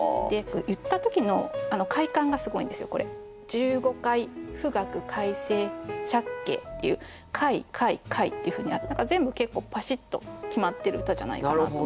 「１５階」「富嶽快晴」「借景」っていう「階」「快」「景」っていうふうに全部結構パシッと決まってる歌じゃないかなと思いました。